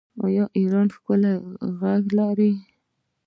ایران ښکلي غرونه لري.